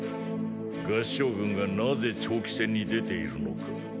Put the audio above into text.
合従軍がなぜ長期戦に出ているのか。